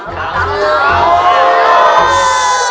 kau bisa tahu